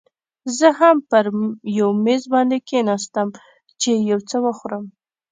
زه هم پر یو میز باندې کښېناستم، چې یو څه وخورم.